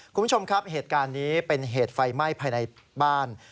คุณผู้ชมครับเหตุการณ์นี้เป็นเหตุไฟไหม้ภายในบ้าน